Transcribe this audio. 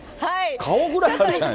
顔ぐらいあるんじゃない？